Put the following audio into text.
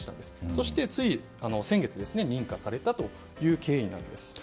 そして、つい先月認可されたという経緯なんです。